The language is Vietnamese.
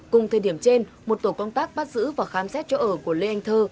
cùng thời điểm trên một tổ công tác bắt giữ và khám xét chỗ ở của lê anh thơ